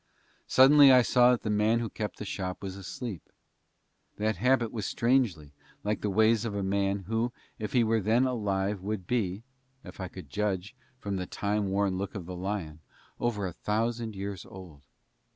Suddenly I saw that the man who kept the shop was asleep. That habit was strangely like the ways of a man who if he were then alive would be (if I could judge from the time worn look of the lion) over a thousand years old.